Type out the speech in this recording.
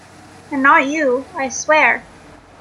And not you, I swear!